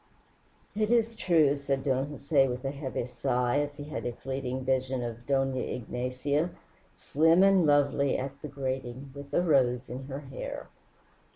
"It is true," said Don Jose, with a heavy sigh, as he had a fleeting vision of Dona Ignacia, slim and lovely, at the grating, with a rose in her hair.